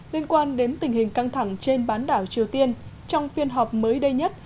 liên quan đến tình hình căng thẳng trên bán đảo triều tiên trong phiên họp mới đây nhất